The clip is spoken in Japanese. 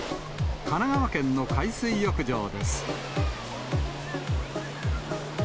神奈川県の海水浴場です。